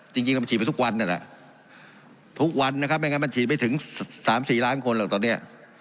จริงก็ฉีดไปทุกวันนั่นแหละทุกวันนะครับไม่งั้นมันฉีดไม่ถึง๓๔ล้านคนหรอกตอนนี้